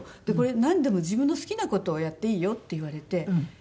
でなんでも自分の好きな事をやっていいよって言われて。